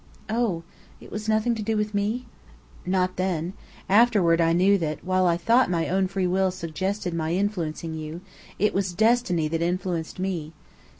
'" "Oh! It was nothing to do with me?" "Not then. Afterward I knew that, while I thought my own free will suggested my influencing you, it was destiny that influenced me.